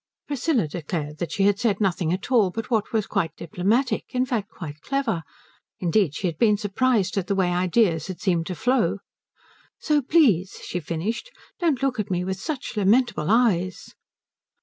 Priscilla declared she had said nothing at all but what was quite diplomatic, in fact quite clever; indeed, she had been surprised at the way ideas had seemed to flow. "So please," she finished, "don't look at me with such lamentable eyes."